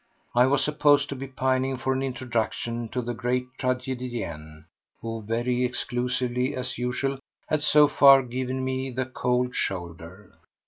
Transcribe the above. I was supposed to be pining for an introduction to the great tragedienne, who, very exclusive as usual, had so far given me the cold shoulder.